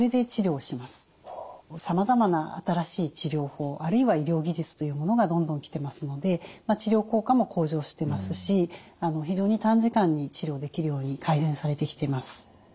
さまざまな新しい治療法あるいは医療技術というものがどんどん来てますので治療効果も向上してますし非常に短時間に治療できるように改善されてきています。